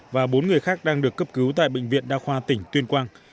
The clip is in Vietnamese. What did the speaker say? và bốn người khác đang được cấp cứu tại bệnh viện đa khoa tỉnh tuyên quang